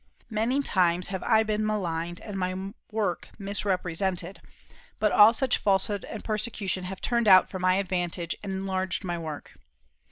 Many times have I been maligned and my work misrepresented; but all such falsehood and persecution have turned out for my advantage and enlarged my work.